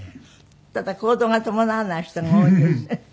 ただ行動が伴わない人が多いです。